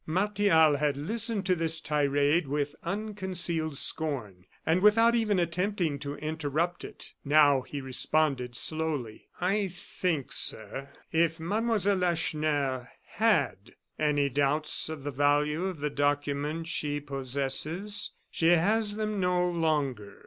Martial had listened to this tirade with unconcealed scorn, and without even attempting to interrupt it. Now he responded, slowly: "I think, sir, if Mademoiselle Lacheneur had any doubts of the value of the document she possesses, she has them no longer."